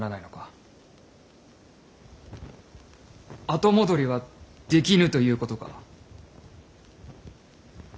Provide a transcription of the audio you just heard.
後戻りはできぬということか。